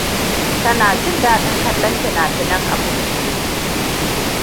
Tana jin dadin kallon finafinan abin tsoro.